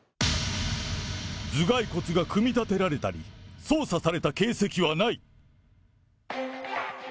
頭蓋骨が組み立てられたり、操作された形跡はない。